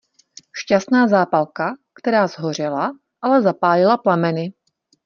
Šťastná zápalka, která shořela, ale zapálila plameny.